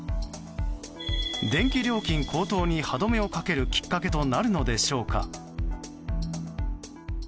電気料金高騰に歯止めをかけるきっかけとなるのでしょうか。